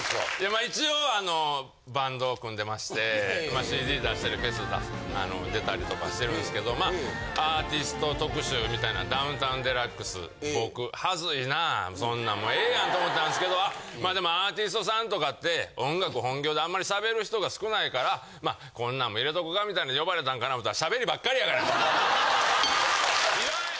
まあ一応あのバンドを組んでましてＣＤ出したりフェス出たりとかしてるんですけどまあアーティスト特集みたいな『ダウンタウンＤＸ』僕ハズいなそんなんもうええやんと思ったんですけどまでもアーティストさんとかって音楽本業であんまり喋る人が少ないからまあこんなんも入れとこかみたいなんで呼ばれたんかな思ったら。